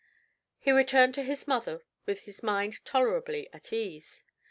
He returned to his mother with his mind tolerably at ease.